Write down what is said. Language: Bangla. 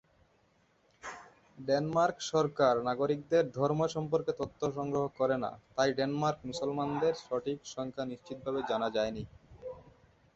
ডেনমার্ক সরকার নাগরিকদের ধর্ম সম্পর্কে তথ্য সংগ্রহ করে না তাই ডেনমার্কে মুসলমানদের সঠিক সংখ্যা নিশ্চিতভাবে জানা যায়নি।